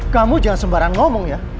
kamu jangan sembarangan ngomong ya